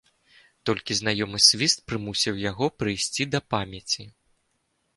Толькі знаёмы свіст прымусіў яго прыйсці да памяці.